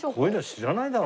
知らないな。